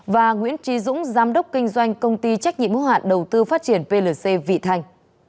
và nguyễn trí dũng giám đốc kinh doanh công ty trách nhiệm hữu hạn đầu tư phát triển plc vị thanh